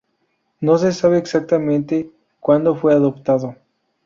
No se sabe exactamente cuando fue adoptado.